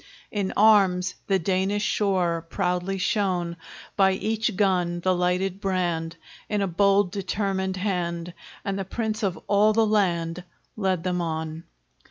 In arms the Danish shore Proudly shone; By each gun the lighted brand, In a bold determined hand, And the Prince of all the land Led them on!